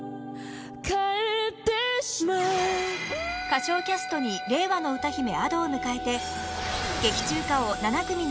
［歌唱キャストに令和の歌姫Ａｄｏを迎えて劇中歌を］